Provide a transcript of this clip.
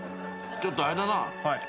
ちょっとあれだなぁ。